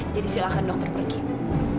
jadi silahkan dokter berkini